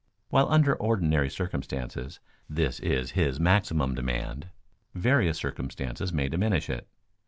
While under ordinary circumstances this is his maximum demand, various circumstances may diminish it.